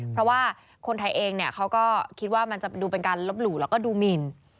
เพราะว่าคนไทยเองเขาก็คิดว่ามันจะดูเป็นการลบหลู่แล้วก็ดูหมิน